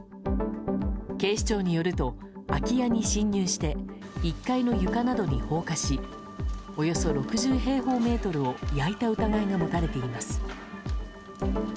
警視庁によると空き家に侵入して１階の床などに放火しおよそ６０平方メートルを焼いた疑いが持たれています。